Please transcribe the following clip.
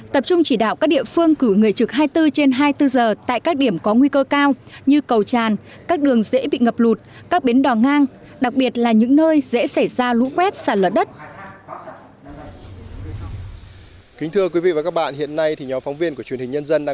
tập trung chỉ đạo các địa phương cử người trực hai mươi bốn trên hai mươi bốn giờ tại các điểm có nguy cơ cao như cầu tràn các đường dễ bị ngập lụt các bến đò ngang đặc biệt là những nơi dễ xảy ra lũ quét sạt lở đất